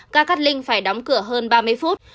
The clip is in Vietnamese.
ga cát linh phải đóng cửa hơn ba mươi phút